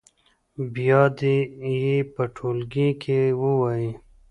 بیا دې یې په ټولګي کې ووايي.